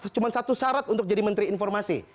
cuma satu syarat untuk jadi menteri informasi